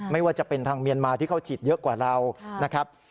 ไม่ว่าจะเป็นทางเมียนมาที่เขาฉีดเยอะกว่าเรานะครับ